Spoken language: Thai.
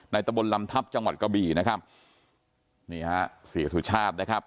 ตะบนลำทัพจังหวัดกะบี่นะครับนี่ฮะเสียสุชาตินะครับ